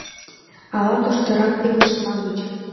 Ала тоштырак илыштма гыч